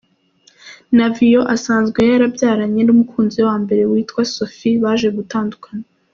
Navio asanzwe yarabyaranye n’umukunzi wa mbere witwa Sophie baje gutandukana.